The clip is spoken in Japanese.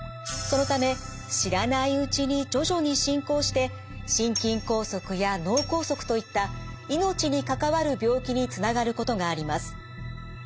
そのため知らないうちに徐々に進行して心筋梗塞や脳梗塞といった命に関わる病気につながることがあります。